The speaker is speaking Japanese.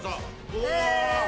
うわ。